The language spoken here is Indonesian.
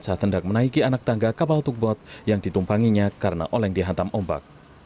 pada saat itu korban sudah menangkap anak tangga kapal tugbot yang ditumpanginya karena oleh dihantam ombak